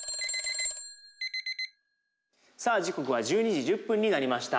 さあ時刻は１２時１０分になりました。